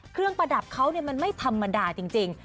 เครื่องประดับเขาเนี่ยมันไม่ธรรมดาจริง